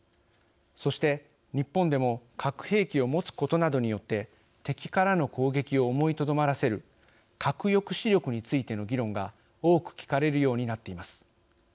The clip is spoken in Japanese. そして、日本でも核兵器を持つことなどによって敵からの攻撃を思いとどまらせる「核抑止力」についての議論が多く聞かれるようになっています。